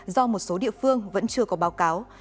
do một số địa phương vẫn chưa có báo cáo